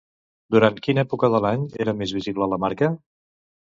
Durant quina època de l'any era més visible la marca?